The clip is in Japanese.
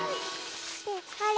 あれ？